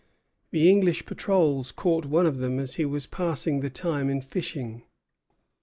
The English patrols caught one of them as he was passing the time in fishing.